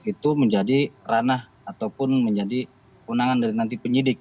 itu menjadi ranah ataupun menjadi undangan dari nanti penyidik